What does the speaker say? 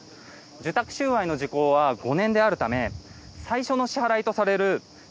受託収賄の時効は５年であるため最初の支払いとされる